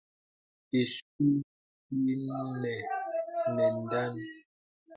Ìsùk yàŋ ìnə mə daŋaŋ.